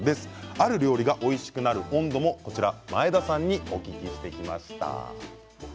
ある料理がおいしくなる温度も前田さんにお聞きしてきました。